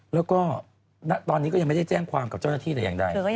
แล้วก็ตอนนี้ก็ยังไม่ได้แจ้งความกับเจ้าหน้าที่แต่อย่างใด